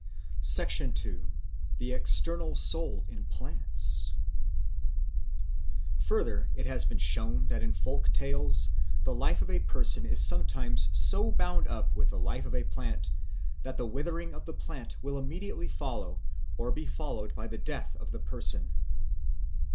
The External Soul in Plants FURTHER it has been shown that in folk tales the life of a person is sometimes so bound up with the life of a plant that the withering of the plant will immediately follow or be followed by the death of the person.